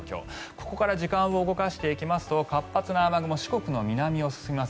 ここから時間を動かしていきますと活発な雨雲は四国の右側を進みます。